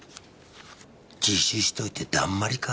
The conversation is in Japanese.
自首しといてだんまりか？